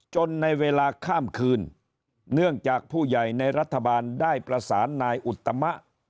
ในเวลาข้ามคืนเนื่องจากผู้ใหญ่ในรัฐบาลได้ประสานนายอุตมะ